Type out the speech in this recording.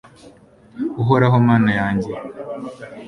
uhoraho mana yanjye